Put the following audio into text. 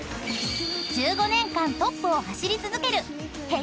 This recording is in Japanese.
［１５年間トップを走り続けるＨｅｙ！